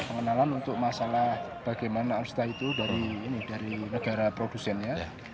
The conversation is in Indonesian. pengenalan untuk masalah bagaimana arsita itu dari negara produsennya